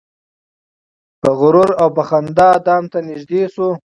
په غرور او په خندا دام ته نیژدې سو